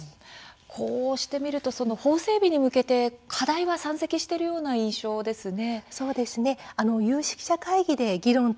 こうして見ると法整備に向けて課題が山積しているような感じですね。